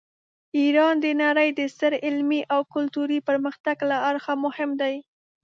ایران د نړۍ د ستر علمي او کلتوري پرمختګ له اړخه مهم دی.